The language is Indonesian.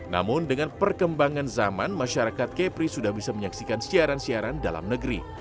namun dengan perkembangan zaman masyarakat kepri sudah bisa menyaksikan siaran siaran dalam negeri